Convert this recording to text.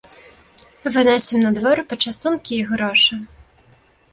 Выносім на двор пачастункі і грошы.